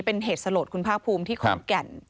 เป็นเหตุสลดคุณภาคภูมิที่ขอนแก่น